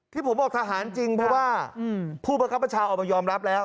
ที่ผมออกทหารจริงเพราะว่าผู้ประคับประชาออกมายอมรับแล้ว